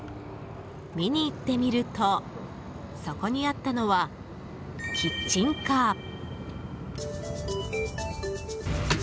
見に行ってみるとそこにあったのはキッチンカー。